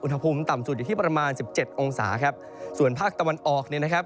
อุณหภูมิต่ำสุดอยู่ที่ประมาณสิบเจ็ดองศาครับส่วนภาคตะวันออกเนี่ยนะครับ